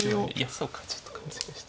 そうかちょっと勘違いした。